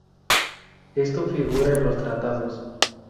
Esto figura en los tratados.